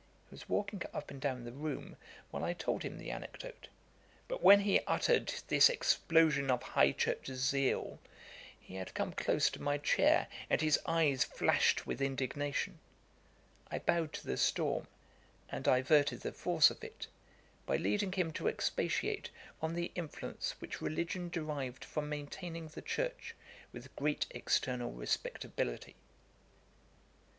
He was walking up and down the room while I told him the anecdote; but when he uttered this explosion of high church zeal, he had come close to my chair, and his eyes flashed with indignation. I bowed to the storm, and diverted the force of it, by leading him to expatiate on the influence which religion derived from maintaining the church with great external respectability.